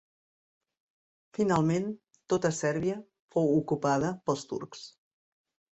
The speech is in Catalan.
Finalment tota Sèrbia fou ocupada pels turcs.